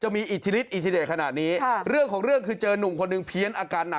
ไม่นอนไม่นอนคุณหมวดไม่นอน